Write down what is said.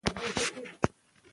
زه د ځمکپوهنې ډاکټر یم